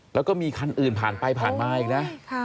แล้วก็มีคันอื่นผ่านไปผ่านมาอีกนะ